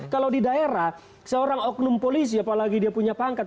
kalau di daerah seorang oknum polisi apalagi dia punya pangkat